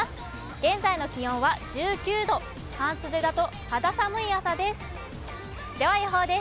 現在の気温は１９度、半袖だと肌寒い朝です。